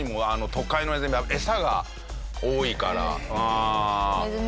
都会のネズミはエサが多いから。